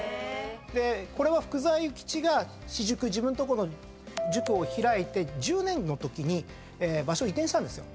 これは福沢諭吉が私塾自分のとこの塾を開いて１０年のときに場所を移転したんですよ。